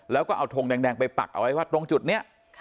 แล้วก็เอาทงแดงไปปักเอาไว้ว่าตรงจุดนี้